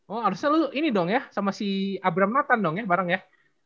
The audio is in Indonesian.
oh harusnya lu ini dong ya sama si abraham nathan dong ya bareng ya